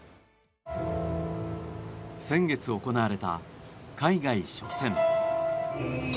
先月行われた海外初戦。